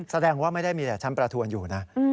แสดงว่าไม่ได้มีแต่ชั้นประทวนอยู่นะ